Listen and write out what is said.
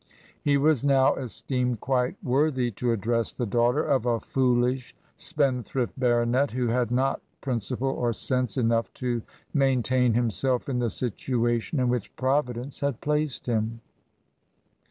... He was now esteemed quite worthy to address the daugh ter of a foolish, spendthrift baronet who had not prin ciple or sense enough to maintain himself in the situation in which Providence had placed him."